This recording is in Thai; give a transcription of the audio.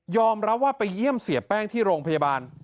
รับว่าไปเยี่ยมเสียแป้งที่โรงพยาบาล